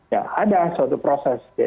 ya ada suatu proses